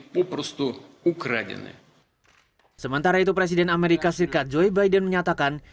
pihaknya akan menunjukkan kehadiran tersebut sebagai default tersebut